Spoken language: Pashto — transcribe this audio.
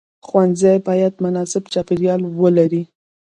ښوونځی باید مناسب چاپیریال ولري.